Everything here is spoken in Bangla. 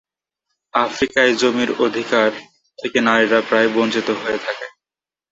আফ্রিকায় জমির অধিকার থেকে নারীরা প্রায়ই বঞ্চিত হয়ে থাকে।